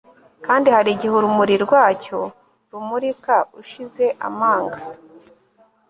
Kandi hari igihe urumuri rwacyo rumurika ushize amanga